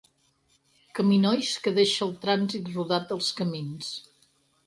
Caminois que deixa el trànsit rodat als camins.